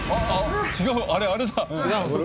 あっ違う。